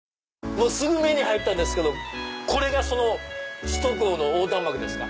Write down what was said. もうすぐ目に入ったんですけどこれが首都高の横断幕ですか？